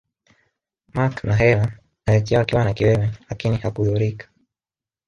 Mark Mahela aliachiwa akiwa na kiwewe lakini hakudhurika